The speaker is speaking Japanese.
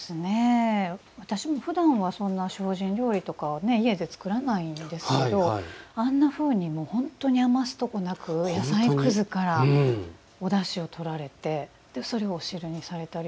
私もふだんはそんな精進料理とかは家で作らないんですけどあんなふうに本当に余すところなく野菜くずからおだしをとられてそれをお汁にされたり。